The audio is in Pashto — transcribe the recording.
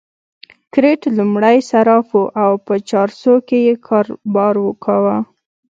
کرت لومړی صراف وو او په چارسو کې يې کاروبار کاوه.